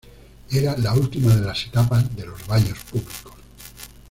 Era la última de las etapas de los baños públicos.